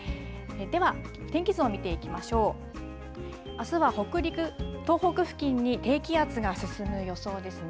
あすは北陸、東北付近に低気圧が進む予想ですね。